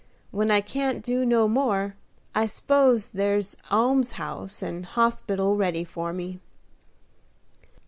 When I can't do no more, I s'pose there's almshouse and hospital ready for me."